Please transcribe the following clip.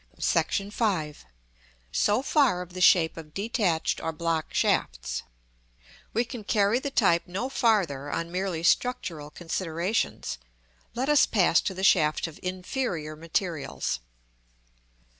§ V. So far of the shape of detached or block shafts. We can carry the type no farther on merely structural considerations: let us pass to the shaft of inferior materials.